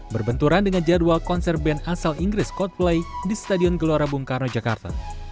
berbenturan dengan jadwal konser band asal inggris coldplay di stadion gelora bung karno jakarta